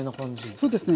そうですね。